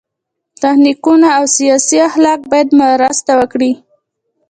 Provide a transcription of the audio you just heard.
تخنیکونه او سیاسي اخلاق باید مرسته وکړي.